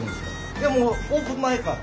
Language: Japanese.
いやもうオープン前から。